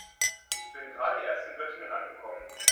Ich bin gerade erst in Göttingen angekommen